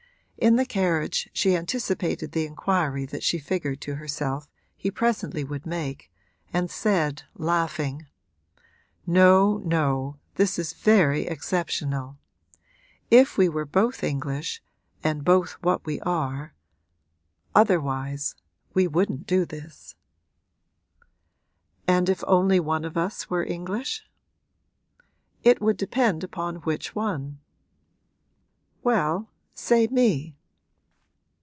In the carriage she anticipated the inquiry that she figured to herself he presently would make and said, laughing: 'No, no, this is very exceptional; if we were both English and both what we are, otherwise we wouldn't do this.' 'And if only one of us were English?' 'It would depend upon which one.' 'Well, say me.'